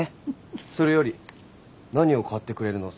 それより何を買ってくれるのさ？